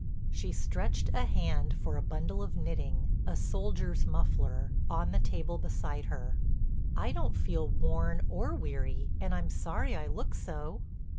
She stretched a hand for a bundle of knitting—a soldier's muffler—on the table beside her: "I don't feel worn or weary and I'm sorry I look so."